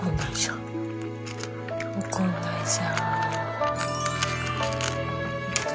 怒んないじゃん。